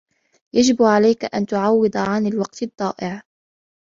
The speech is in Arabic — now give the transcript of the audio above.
يجب عليك أن تعوض عن الوقت الضائع.